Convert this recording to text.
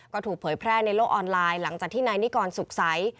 ก็ถูกเผยแพร่ในโลกออนไลน์หลังจากที่นายนิกรสุขใส